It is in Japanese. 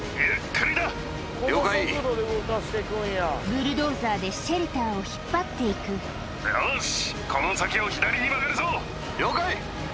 ブルドーザーでシェルターを引っ張っていくよし。